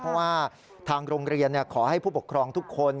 เพราะว่าทางโรงเรียนขอให้ผู้ปกครองทุกคน